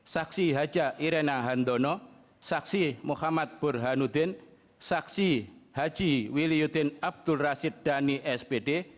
saksi haja irena handono saksi muhammad burhanuddin saksi haji wiliutin abdul rashid dhani spd